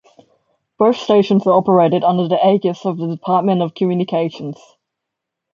Both stations are operated under the aegis of the Department of Communications.